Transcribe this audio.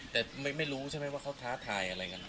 แต่ไม่รู้ใช่ไหมว่าเขาท้าทายอะไรกัน